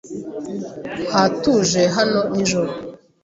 Hatuje hano nijoro.